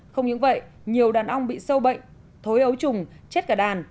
không những vậy nhiều đàn ong bị sâu bệnh thối ấu trùng chết cả đàn